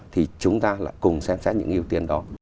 thì chúng ta là cùng xem xét những cái ưu tiên đó